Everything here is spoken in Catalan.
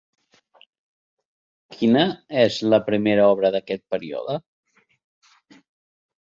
Quina és la primera obra d'aquest període?